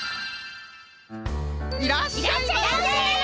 いらっしゃいませ！